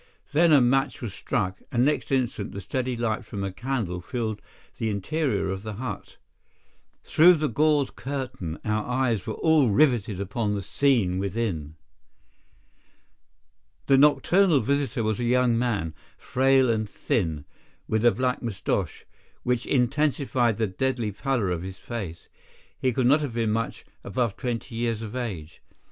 Then a match was struck, and next instant the steady light from a candle filled the interior of the hut. Through the gauze curtain our eyes were all riveted upon the scene within. The nocturnal visitor was a young man, frail and thin, with a black moustache, which intensified the deadly pallor of his face. He could not have been much above twenty years of age.